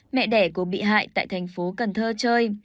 mẹ đẻ của bị hại tại thành phố cần thơ chơi